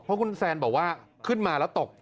เพราะคุณแซนบอกว่าขึ้นมาแล้วตก